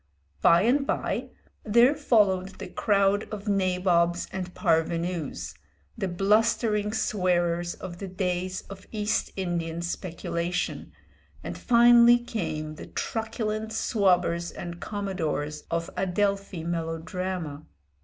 By and by, there followed the crowd of nabobs and parvenus, the blustering swearers of the days of East Indian speculation, and finally came the truculent swabbers and commodores of Adelphi melodrama.